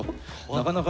なかなか。